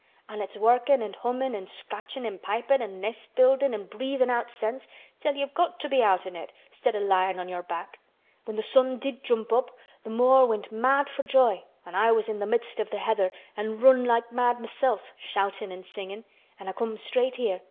An' it's workin' an' hummin' an' scratchin' an' pipin' an' nest buildin' an' breathin' out scents, till you've got to be out on it 'stead o' lyin' on your back. When th' sun did jump up, th' moor went mad for joy, an' I was in the midst of th' heather, an' I run like mad myself, shoutin' an' singin'. An' I come straight here.